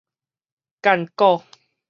姦古